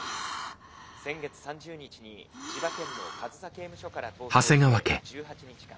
「先月３０日に千葉県の上総刑務所から逃走して１８日間」。